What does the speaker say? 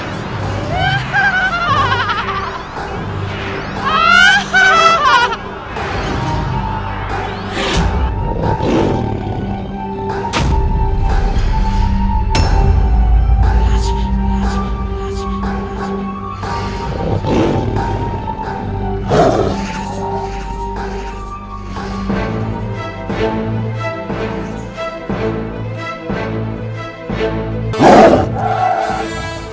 hentikan perbuatanmu raja